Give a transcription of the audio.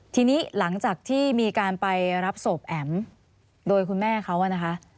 ทีนี้หลังจากที่มีการไปรับศพแอ๋มโดยคุณแม่เขานะคะ